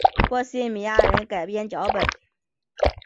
波希米亚人改编脚本。